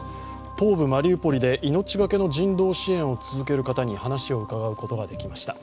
東部マリウポリで命懸けの人道支援を続ける方に話を伺うことができました。